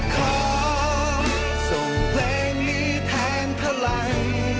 ขอส่งเพลงนี้แทนพลัง